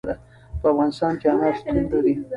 په افغانستان کې انار شتون لري.